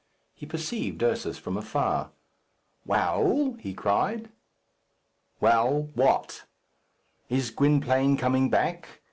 He perceived Ursus from afar. "Well!" he cried. "Well! what?" "Is Gwynplaine coming back?